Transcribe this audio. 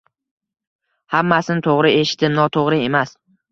Hammasini to`g`ri eshitdim, noto`g`ri emas